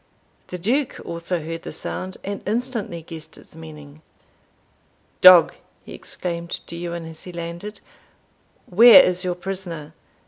The Duke also heard the sound, and instantly guessed its meaning. "Dog!" he exclaimed to Ewan as he landed, "where is your prisoner?"